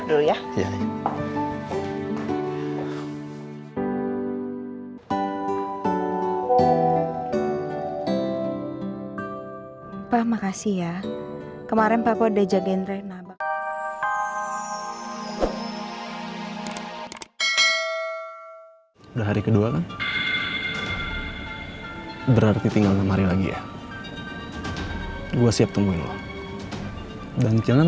udah hari kedua kan berarti tinggal enam hari lagi ya gue siap tungguin lo dan kalian